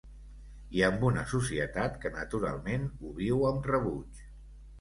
I amb una societat que naturalment ho viu amb rebuig.